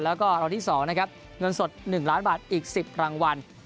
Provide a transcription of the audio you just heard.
แล้วก็รางวัลที่๒นะครับเงินสด๑ล้านบาทอีก๑๐รางวัล